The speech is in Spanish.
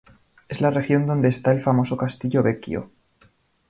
Es la región donde está el famoso Castillo Vecchio.